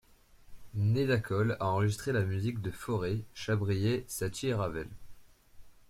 Naida Cole a enregistré la musique de Fauré, Chabrier, Satie et Ravel.